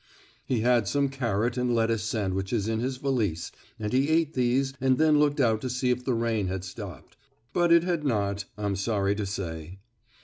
He had some carrot and lettuce sandwiches in his valise and he ate these and then looked out to see if the rain had stopped, but it had not, I am sorry to say.